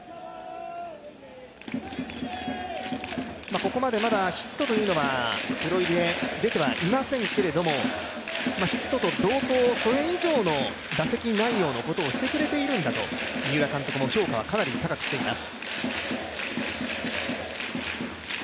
ここまでヒットはプロ入りで出てはいませんけれども、ヒットと同等、それ以上の打席内容のことをしてくれているんだと三浦監督も評価はかなり高くしています。